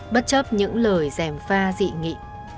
bất chấp những lời rèm pha dị nghị